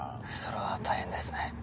それは大変ですね。